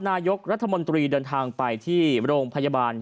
นายกรัฐมนตรีเดินทางไปที่โรงพยาบาล